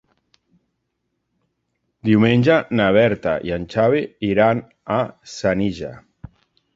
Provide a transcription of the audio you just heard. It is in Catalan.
Diumenge na Berta i en Xavi iran a Senija.